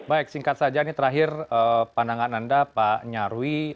baik singkat saja ini terakhir pandangan anda pak nyarwi